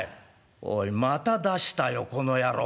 「おいまた出したよこの野郎。